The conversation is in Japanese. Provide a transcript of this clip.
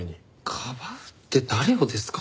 かばうって誰をですか？